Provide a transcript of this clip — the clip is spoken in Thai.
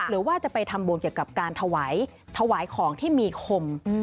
หรือว่าจะไปทำบุญเกี่ยวกับการถวายถวายของที่มีคม